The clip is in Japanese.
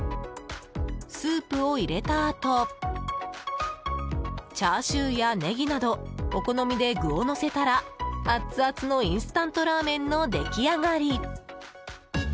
スープを入れたあとチャーシューやネギなどお好みで具をのせたらアツアツのインスタントラーメンの出来上がり！